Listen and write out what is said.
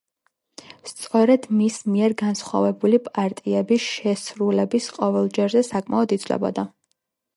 სწორედ მის მიერ განსახიერებული პარტიები შესრულების ყოველ ჯერზე საკმაოდ იცვლებოდა.